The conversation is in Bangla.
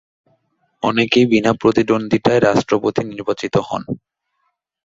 অনেকেই বিনা প্রতিদ্বন্দ্বিতায় রাষ্ট্রপতি নির্বাচিত হন।